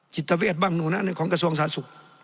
จิตเวทบ้างหนูนะของกระทรวงสาธารณสุข